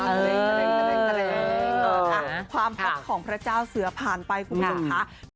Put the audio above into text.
ความฮอตของพระเจ้าเสือผ่านไปคุณผู้ชมค่ะ